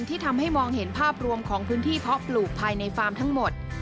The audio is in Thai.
ที่ทำให้มองเห็นภาพรวมของพื้นที่เพาะปลูกภายในฟาร์มทั้งหมด